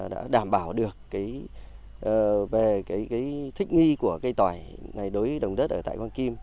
đã đảm bảo được thích nghi của cây tỏi đối với đồng đất tại quang kim